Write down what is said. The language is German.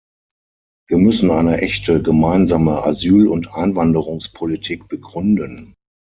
Wir müssen eine echte gemeinsame Asyl- und Einwanderungspolitik begründen.